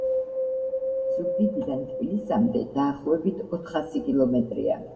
ზუგდიდიდან თბილისამდე დაახლოებით ოთხასი კილომეტრია.